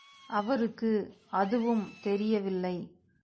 அவருக்கு அதுவும் தெரியவில்லை.